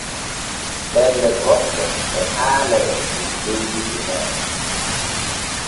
Ɗelle goɗɗe e haalee der leydi Bene.